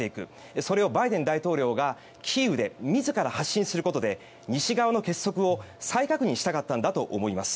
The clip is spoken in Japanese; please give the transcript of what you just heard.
それをバイデン大統領がキーウで自ら発信することで西側の結束を再確認したかったんだと思います。